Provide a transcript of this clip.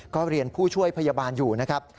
ก็เรียนผู้ช่วยพยาบาลอยู่